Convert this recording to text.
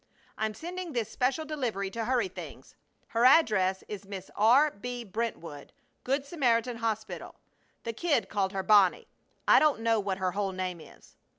I'm sending this special delivery to hurry things. Her address is Miss R.B. Brentwood, Good Samaritan Hospital. The kid called her "Bonnie." I don't know what her whole name is.